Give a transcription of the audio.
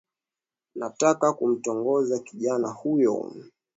Nataka kumtongoza kijana huyo